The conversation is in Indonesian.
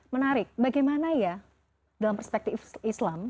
menarik bagaimana ya dalam perspektif islam